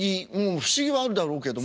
不思議はあるだろうけども。